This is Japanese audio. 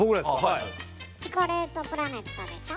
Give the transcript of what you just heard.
チコレートプラネットでしょ？